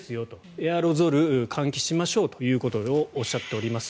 エアロゾル、換気しましょうとおっしゃっています。